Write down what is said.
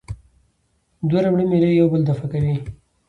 دوه ربړي میلې یو بل دفع کوي.